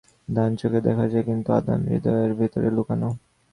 দান চোখে দেখা যায়, কিন্তু আদান হৃদয়ের ভিতরে লুকানো।